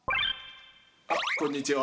あっこんにちは。